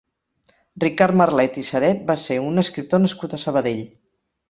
Ricard Marlet i Saret va ser un escriptor nascut a Sabadell.